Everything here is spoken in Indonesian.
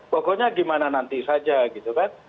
pokoknya gimana nanti saja gitu kan